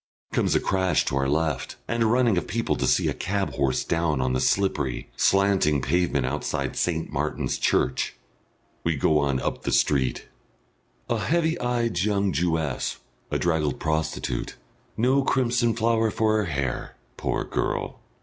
Comes a crash to our left, and a running of people to see a cab horse down on the slippery, slanting pavement outside St. Martin's Church. We go on up the street. A heavy eyed young Jewess, a draggled prostitute no crimson flower for her hair, poor girl!